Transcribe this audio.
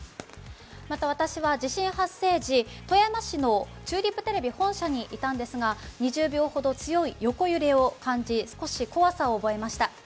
また、私は地震発生時、富山市のチューリップテレビ本社にいたんですが、２０秒ほど、強い横揺れを感じ、少し怖さを感じました。